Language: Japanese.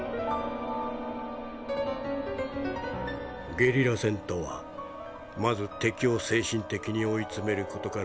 「ゲリラ戦とはまず敵を精神的に追い詰める事から始まる。